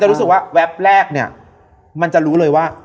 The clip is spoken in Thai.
รู้สึกว่าแวบแรกเนี่ยมันจะรู้เลยว่า